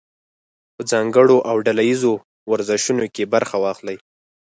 په ځانګړو او ډله ییزو ورزشونو کې برخه واخلئ.